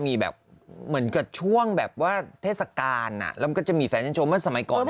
มีแบบเหมือนกับช่วงแบบว่าเทศกาลแล้วมันก็จะมีแฟนฉันชมเมื่อสมัยก่อน